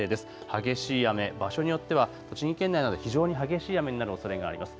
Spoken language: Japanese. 激しい雨、場所によっては栃木県内など非常に激しい雨になるおそれがあります。